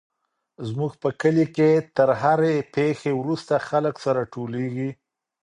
زموږ په کلي کي تر هرې پېښي وروسته خلک سره ټولېږي.